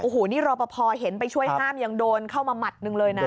โอ้โหนี่รอปภเห็นไปช่วยห้ามยังโดนเข้ามาหมัดหนึ่งเลยนะ